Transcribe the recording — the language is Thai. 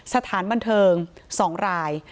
สถานบันเทิง๒ราย